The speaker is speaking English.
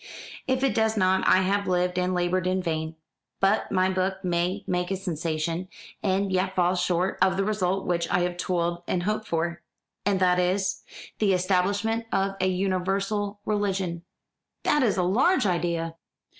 "If it does not I have lived and laboured in vain. But my book may make a sensation, and yet fall far short of the result which I have toiled and hoped for." "And that is " "The establishment of a universal religion." "That is a large idea!"